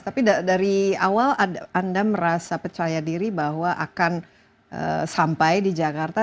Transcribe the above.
tapi dari awal anda merasa percaya diri bahwa akan sampai di jakarta